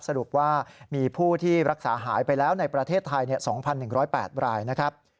สรุปว่ามีผู้ที่รักษาหายไปแล้วในประเทศไทย๒๑๐๘รายนะครับ